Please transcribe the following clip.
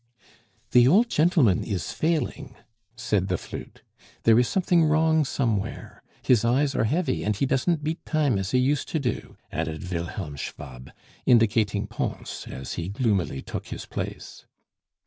"The old gentleman is failing," said the flute; "there is something wrong somewhere; his eyes are heavy, and he doesn't beat time as he used to do," added Wilhelm Schwab, indicating Pons as he gloomily took his place.